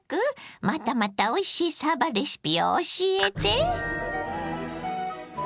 またまたおいしいさばレシピを教えて。